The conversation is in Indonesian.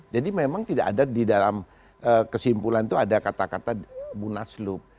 jadi memang tidak ada di dalam kesimpulan itu ada kata kata munaslup